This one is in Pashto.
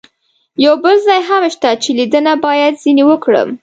یو بل ځای هم شته چې لیدنه باید ځنې وکړم.